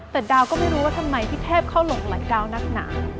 แต่ดาวก็ไม่รู้ว่าทำไมพี่เทพเข้าหลงหลายดาวนักหนา